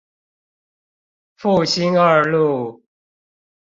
復興二路